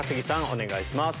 お願いします。